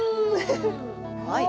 はい。